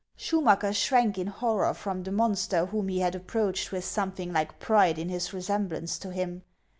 Schumacker shrank in horror from the monster whom he had approached with something like pride in his resemblance to him.